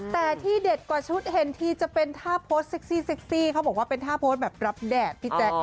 แต่ที่เด็ดกว่าชุดเห็นทีจะเป็นท่าโพสต์เซ็กซี่เซ็กซี่เขาบอกว่าเป็นท่าโพสต์แบบรับแดดพี่แจ๊ค